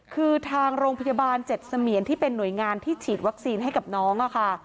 คือทางโรงพยาบาล๗เสมียนที่เป็นหน่วยงานที่ฉีดวัคซีนให้กับน้องค่ะ